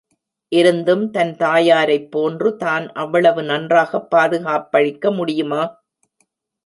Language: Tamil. இருந்தும் தன் தாயாரைப் போன்று தான் அவ்வளவு நன்றாகப் பாதுகாப்பளிக்க முடியுமா?